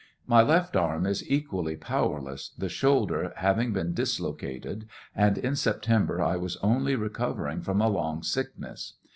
My left arm is equally powerless, the shoulder having been dislocated, and in September I was only recovering from a long sickness.